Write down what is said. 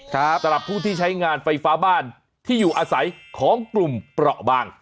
สำหรับผู้ที่ใช้งานไฟฟ้าบ้านที่อยู่อาศัยของกลุ่มเปราะบาง